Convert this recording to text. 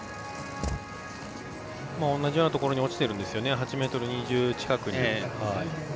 同じようなところに落ちているんです、８ｍ２０近くに。